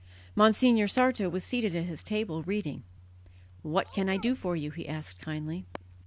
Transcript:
Monsignor Sarto was seated at his table reading. "What can I do for you?" he asked kindly.